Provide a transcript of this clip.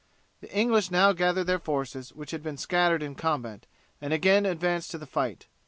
The English now gathered their forces which had been scattered in combat, and again advanced to the fight.